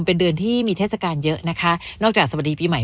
เป็นเดือนที่มีเทศกาลเยอะนะคะนอกจากสวัสดีปีใหม่